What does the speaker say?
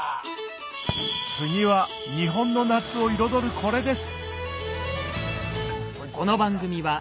次は日本の夏を彩るこれです